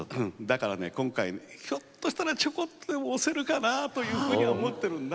だからね今回ひょっとしたらちょこっとでも押せるかなというふうには思ってるんだ。